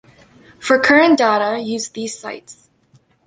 For current data, use these sites.